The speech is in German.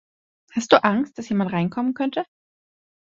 Hast du Angst, dass jemand reinkommen könnte?